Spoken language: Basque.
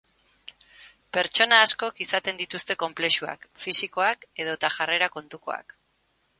Pertsona askok izaten dituzte konplexuak, fisikoak edota jarrera kontukoak.